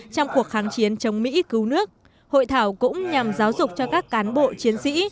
trong cuộc kháng chiến chống mỹ cứu nước hội thảo cũng nhằm giáo dục cho các cán bộ chiến sĩ